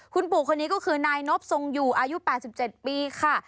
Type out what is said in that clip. คุณปู่คนนี้ก็คือนายนบทรงอยู่อายุ๘๗ปีค่ะ